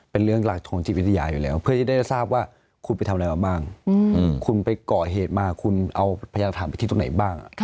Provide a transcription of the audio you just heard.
เป็นเรื่องใดตรงติดวิทยาอยู่แล้วเพื่อได้ทราบว่าคุณไปทำอะไรกันบ้าง